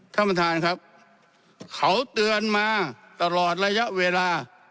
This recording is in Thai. ท่านประธานครับเขาเตือนมาตลอดระยะเวลา